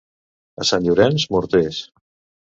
A Sant Llorenç, morters.